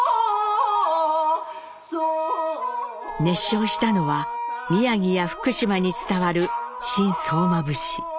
熱唱したのは宮城や福島に伝わる「新相馬節」。